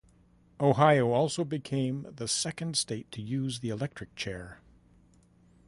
Ohio also became the second state to use the electric chair.